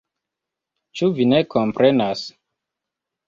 Ĉu vi ne komprenas?